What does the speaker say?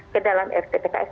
ke dalam rutpks